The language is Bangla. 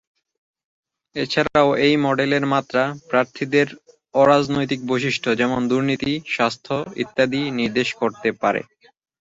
এছাড়াও এই মডেলের মাত্রা প্রার্থীদের অ-রাজনৈতিক বৈশিষ্ট্য যেমন দুর্নীতি, স্বাস্থ্য ইত্যাদি নির্দেশ করতে পারে।